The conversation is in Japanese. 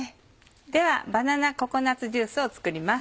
ではバナナココナッツジュースを作ります。